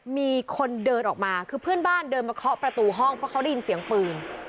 มีคนเดินออกมาคือเพื่อนบ้านเดินมาเคาะประตูห้องเพราะเขาได้ยินเสียงปืน